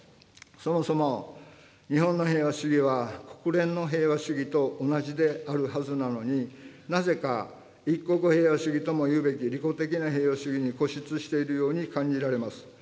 そもそも、日本の平和主義は、国連の平和主義と同じであるはずなのに、なぜか、一国平和主義ともいうべき利己的な平和主義に固執しているように感じられます。